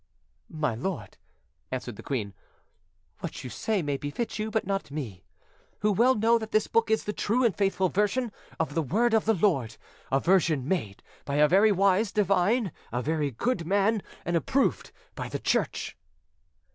"My lord," answered the queen, "what you say may befit you, but not me, who well know that this book is the true and faithful version of the word of the Lord, a version made by a very wise divine, a very good man, and approved by the Church."